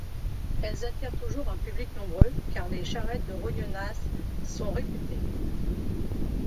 Elles attirent toujours un public nombreux car les charrettes de Rognonas sont réputées.